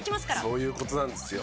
そういう事なんですよ。